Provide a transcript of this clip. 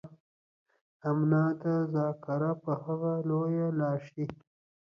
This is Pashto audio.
امنا ده ذاکره په هغه لويه لاښي.